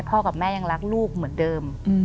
กับแม่ยังรักลูกเหมือนเดิม